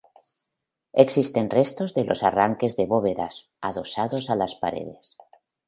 Existen restos de los arranques de bóvedas, adosados a las paredes.